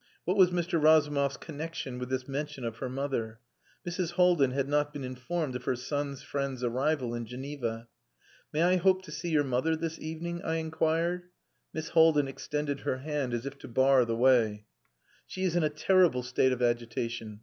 What was Mr. Razumov's connexion with this mention of her mother? Mrs. Haldin had not been informed of her son's friend's arrival in Geneva. "May I hope to see your mother this evening?" I inquired. Miss Haldin extended her hand as if to bar the way. "She is in a terrible state of agitation.